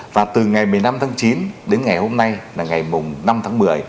và từ ngày một mươi năm tháng chín đến ngày hôm nay là ngày năm tháng một mươi